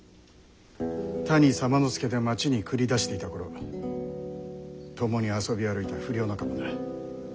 谷左馬之助で町に繰り出していた頃共に遊び歩いた不良仲間だ。